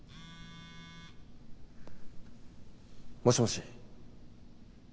もしもし。